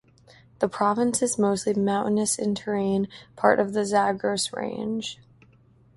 The province is mostly mountainous in terrain, part of the Zagros range.